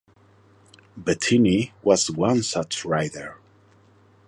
Bettini was one such rider.